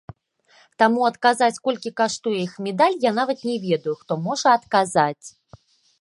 Таму адказаць, колькі каштуе іх медаль, я нават не ведаю, хто можа адказаць.